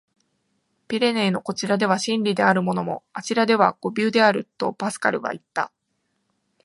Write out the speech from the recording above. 「ピレネーのこちらでは真理であるものも、あちらでは誤謬である」、とパスカルはいった。